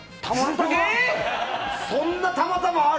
こんなたまたまある？